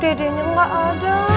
dedeknya gak ada